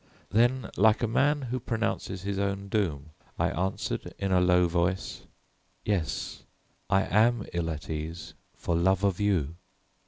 Then, like a man who pronounces his own doom, I answered in a low voice: "Yes, I am ill at ease for love of you."